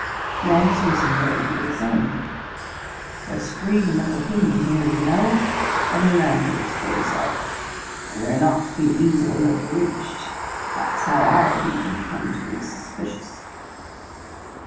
The answer is invariably the same: 'There's freedom of opinion here, you know. Every man thinks for himself, and we are not to be easily overreached. That's how our people come to be suspicious.